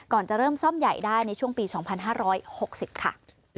ก่อนจะเริ่มซ่อมใหญ่ได้ในช่วงปี๒๕๖๐ค่ะ